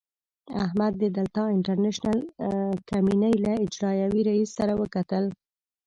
احمد د دلتا انټرنشنل کمينۍ له اجرائیوي رئیس سره وکتل.